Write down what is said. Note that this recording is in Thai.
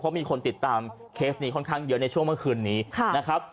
เพราะมีคนติดตามเคสนี้ค่อนข้างเยอะในช่วงเมื่อคืนนี้นะครับ